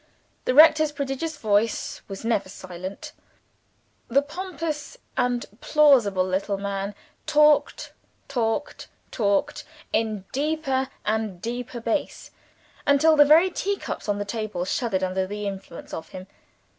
The rector's prodigious voice was never silent: the pompous and plausible little man talked, talked, talked, in deeper and deeper bass, until the very teacups on the table shuddered under the influence of him.